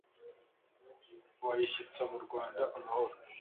bayishyitsa mu Rwanda amahoro